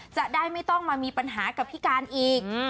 จะได้ไม่ต้องมามีปัญหากับพี่การอีก